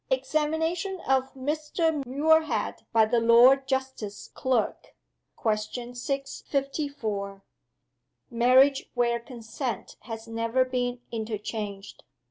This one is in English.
Examination of Mr. Muirhead by the Lord Justice Clerk (Question 654) Marriage where consent has never been interchanged.